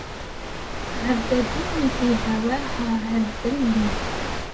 عذبوني في هواها عذلي